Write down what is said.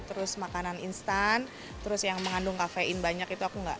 terus makanan instan terus yang mengandung kafein banyak itu aku nggak